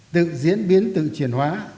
tự diễn biến tự triển hóa